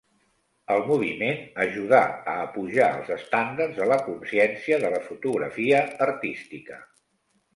El moviment ajudà a apujar els estàndards la consciència de la fotografia artística.